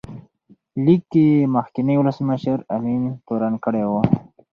لیک کې یې مخکینی ولسمشر امین تورن کړی و.